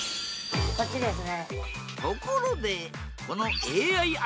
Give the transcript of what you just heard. こっちですね。